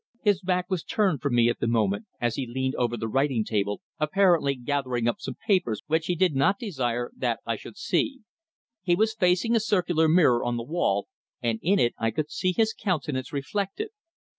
His back was turned from me at the moment, as he leaned over the writing table apparently gathering up some papers which he did not desire that I should see. He was facing a circular mirror on the wall, and in it I could see his countenance reflected.